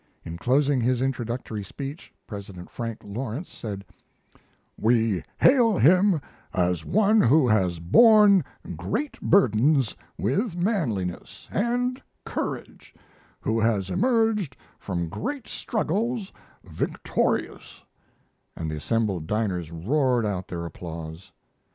In closing his introductory speech President Frank Lawrence said, "We hail him as one who has borne great burdens with manliness and courage, who has emerged from great struggles victorious," and the assembled diners roared out their applause.